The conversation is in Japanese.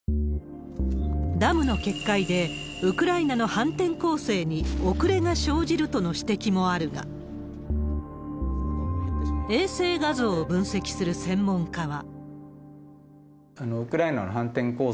ダムの決壊でウクライナの反転攻勢に遅れが生じるとの指摘もあるが、衛星画像を分析する専門家は。